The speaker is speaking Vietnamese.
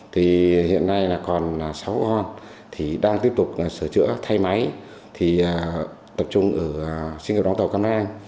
thì hiện nay là còn sáu con thì đang tiếp tục sửa chữa thay máy thì tập trung ở sinh hợp đóng tàu căn an